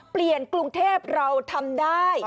เปลี่ยนกรุงเทพเราทำได้